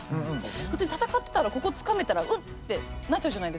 普通に戦ってたらここつかめたらウッてなっちゃうじゃないですか。